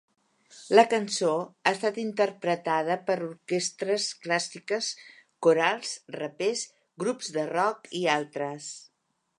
La cançó ha estat interpretada per orquestres clàssiques, corals, rapers, grups de rock i altres.